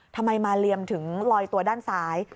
ทำไมมาเลียมถึงลอยตัวด้านซ้าย